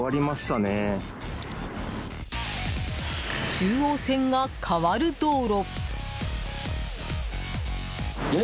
中央線が変わる道路。